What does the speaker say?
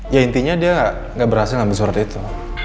ya intinya dia gak berhasil ngambil surat itu